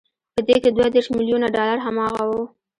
په دې کې دوه دېرش ميليونه ډالر هماغه وو.